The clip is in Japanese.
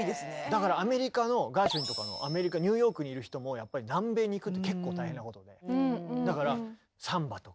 だからアメリカのガーシュウィンとかアメリカニューヨークにいる人もやっぱり南米に行くって結構大変なことで。